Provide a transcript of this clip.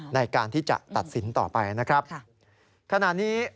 ในการที่จะตัดสินต่อไป